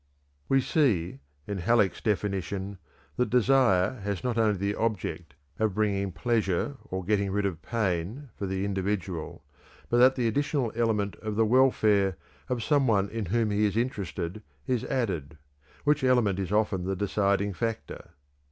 We see, in Halleck's definition, that desire has not only the object of "bringing pleasure or getting rid of pain" for the individual, but that the additional element of the welfare of "some one in whom he is interested" is added, which element is often the deciding factor.